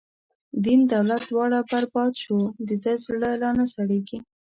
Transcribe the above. دین دولت دواړه برباد شو، د ده زړه لانه سړیږی